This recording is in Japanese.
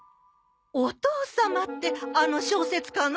お父様ってあの小説家の？